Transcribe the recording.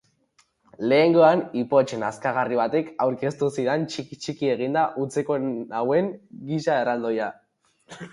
Lehengoan ipotx nazkagarri batek aurkeztu zidan txiki-txiki eginda utziko nauen giza erraldoia.